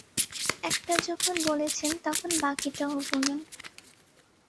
একটা যখন বলেছেন, তখন বাকিটাও বলুন।